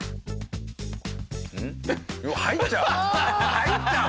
入っちゃう？